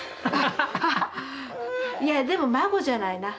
いやでも孫じゃないな。